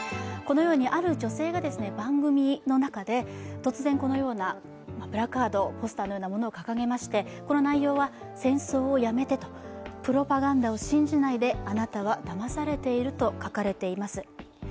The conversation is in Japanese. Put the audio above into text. このようにある女性が番組の中で突然、このようなプラカードポスターのようなものを掲げましてこの内容は、戦争をやめて、プロパガンダを信じないで、あなたはだまされていると書かれています。